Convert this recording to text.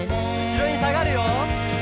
「後ろにさがるよ」